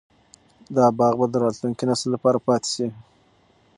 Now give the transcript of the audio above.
دا باغ به د راتلونکي نسل لپاره پاتې شي.